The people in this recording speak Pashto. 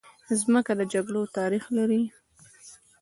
مځکه د جګړو تاریخ لري.